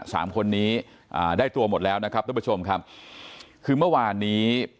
สามคนนี้อ่าได้ตัวหมดแล้วนะครับทุกผู้ชมครับคือเมื่อวานนี้